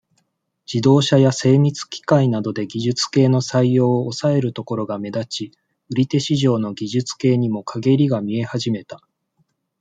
自動車や、精密機械などで、技術系の採用を、抑えるところが目立ち、売り手市場の技術系にも、かげりが見え始めた。